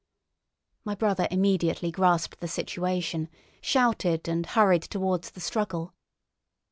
My brother immediately grasped the situation, shouted, and hurried towards the struggle.